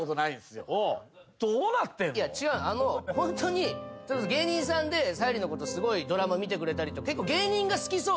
違うあのホントに芸人さんで沙莉のことドラマ見てくれたりとか結構。